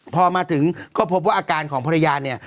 พอมาถึงก็พบว่าอาการของภรรยาเนี่ย